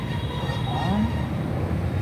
— Ма-ам?!